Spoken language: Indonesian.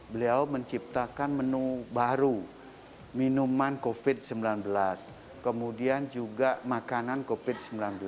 beliau menciptakan menu baru minuman covid sembilan belas kemudian juga makanan covid sembilan belas